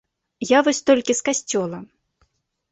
Я вось толькі з касцёла.